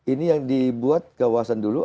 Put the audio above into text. ini yang dibuat kawasan dulu